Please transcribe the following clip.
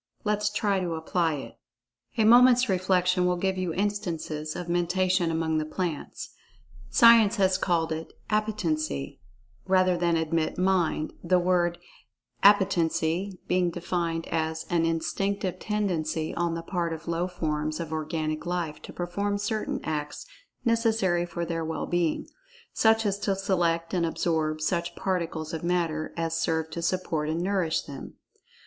Let us try to apply it. A moment's reflection will give you instances of Mentation among the plants. Science has called it "Appetency," rather than admit "Mind," the word "Appetency" being defined as "an instinctive tendency on the part of low forms of organic life to perform certain acts necessary for their well being—such as to select and absorb such particles of matter as serve to support and nourish them."